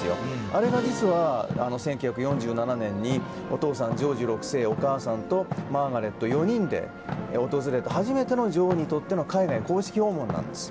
あれが１９４７年にお父さんのジョージ６世お母さんとマーガレット、４人で訪れた初めての女王にとっての海外公式訪問なんです。